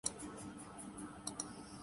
کہ شبانہ اعظمی کو فوری طور پر ممبئی کے